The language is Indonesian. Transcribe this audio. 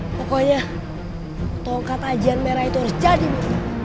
pokoknya tongkat ajian merah itu harus jadi bu